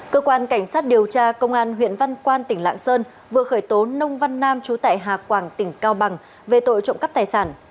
cơ quan cảnh sát điều tra công an huyện văn quan tỉnh lạng sơn vừa khởi tố nông văn nam trú tại hà quảng tỉnh cao bằng về tội trộm cắp tài sản